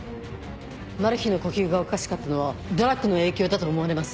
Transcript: マルヒの呼吸がおかしかったのはドラッグの影響だと思われます。